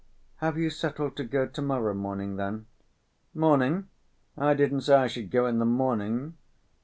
"Have you settled to go to‐morrow morning, then?" "Morning? I didn't say I should go in the morning....